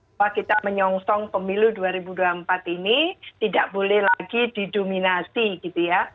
bahwa kita menyongsong pemilu dua ribu dua puluh empat ini tidak boleh lagi didominasi gitu ya